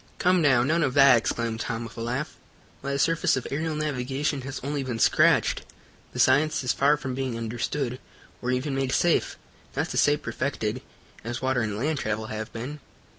"Come, now, none of that!" exclaimed Tom, with a laugh. "Why, the surface of aerial navigation has only been scratched. The science is far from being understood, or even made safe, not to say perfected, as water and land travel have been.